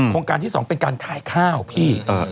โครงการที่๒เป็นการขายข้าวพี่